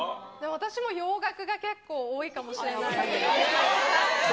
私も洋楽が結構多いかもしれないですね。